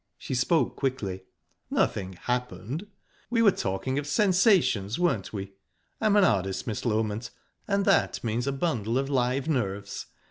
She spoke quickly. "Nothing happened. We were talking of sensations, weren't we? ...I'm an artist, Miss Loment, and that means a bundle of live nerves.